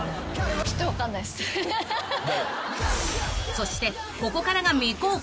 ［そしてここからが未公開］